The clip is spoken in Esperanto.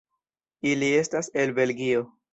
Ili estas el Belgio.